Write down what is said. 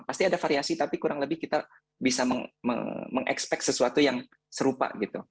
pasti ada variasi tapi kurang lebih kita bisa mengekspek sesuatu yang serupa gitu